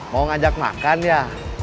mau ngajak makan ya